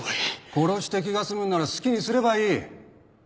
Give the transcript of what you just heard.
殺して気が済むんなら好きにすればいい！